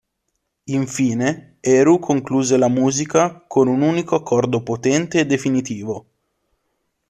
Infine, Eru concluse la Musica con un unico accordo potente e definitivo.